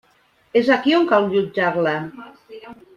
És aquí on cal jutjar-la.